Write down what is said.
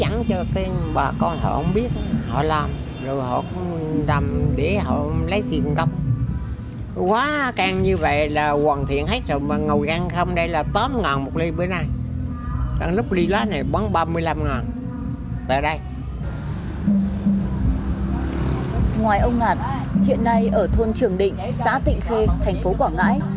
ngoài ông ngạt hiện nay ở thôn trường định xã tịnh khê thành phố quảng ngãi